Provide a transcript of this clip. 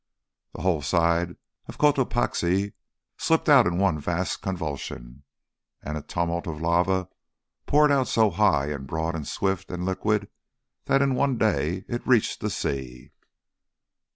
The whole side of Cotopaxi slipped out in one vast convulsion, and a tumult of lava poured out so high and broad and swift and liquid that in one day it reached the sea.